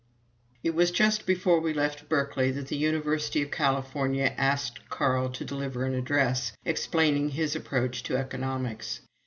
It was just before we left Berkeley that the University of California asked Carl to deliver an address, explaining his approach to economics.